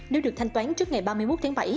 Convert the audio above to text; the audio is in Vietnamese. nếu được thanh toán trước ngày ba mươi một tháng bảy